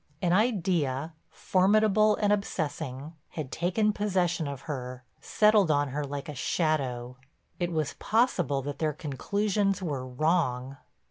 An idea, formidable and obsessing, had taken possession of her, settled on her like a shadow. It was possible that their conclusions were wrong.